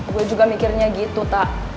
gue juga mikirnya gitu tak